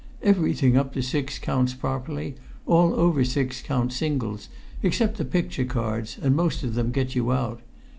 Everything up to six counts properly; all over six count singles, except the picture cards, and most of them get you out.